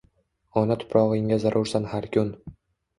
Ona tuprog’ingga zarursan har kun